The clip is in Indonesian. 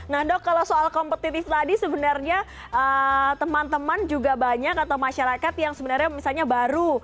nah dok kalau soal kompetitif tadi sebenarnya teman teman juga banyak atau masyarakat yang sebenarnya misalnya baru